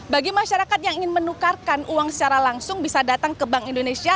bagi masyarakat yang ingin menukarkan uang secara langsung bisa datang ke bank indonesia